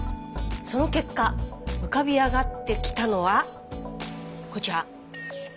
その結果浮かび上がってきたのはこちら。